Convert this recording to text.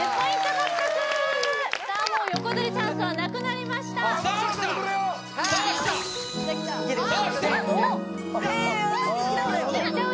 獲得さあもう横取りチャンスはなくなりましたさあきたさあきたいけるいってえー